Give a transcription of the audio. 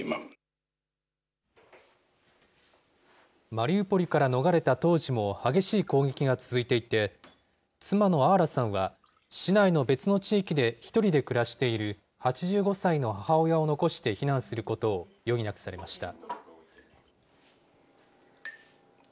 マリウポリから逃れた当時も激しい攻撃が続いていて、妻のアーラさんは市内の別の地域で１人で暮らしている８５歳の母親を残して避難することを余儀なくされました。